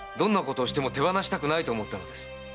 どうしても手放したくないと思ったのです。